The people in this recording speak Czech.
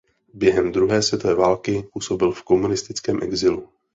Během druhé světové války působil v komunistickém exilu.